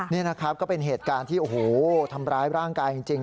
นี่นะครับก็เป็นเหตุการณ์ที่โอ้โหทำร้ายร่างกายจริง